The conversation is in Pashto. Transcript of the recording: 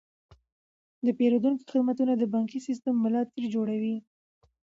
د پیرودونکو خدمتونه د بانکي سیستم ملا تیر جوړوي.